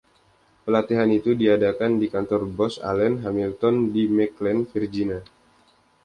Pelatihan itu diadakan di kantor Booz Allen Hamilton di McLean, Virginia.